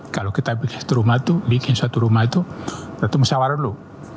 kalau kita bikin satu rumah itu kita itu musyawar dulu